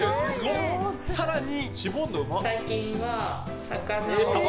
更に。